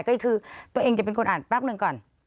ก็คือตัวเองจะเป็นคนอ่านแป๊บหนึ่งก่อน